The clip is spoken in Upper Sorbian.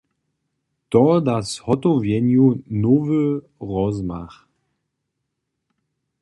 To da zhotowjenju nowy rozmach.